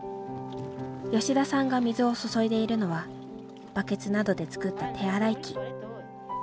吉田さんが水を注いでいるのはバケツなどで作った手洗い器。